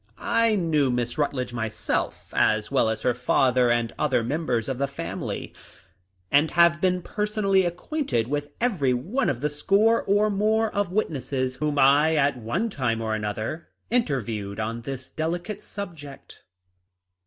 I knew Miss Rut ledge myself, as well as her father and other mem bers of the family, and have been personally ac quainted with every one of the score or more of witnesses whom I at one time or another inter viewed on this delicate subject.